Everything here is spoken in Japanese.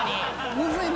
むずいな。